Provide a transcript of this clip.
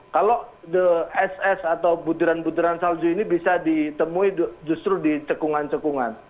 kalau the es es atau butiran butiran salju ini bisa ditemui justru di cekungan cekungan